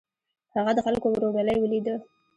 هغه د خلکو ورورولي ولیده.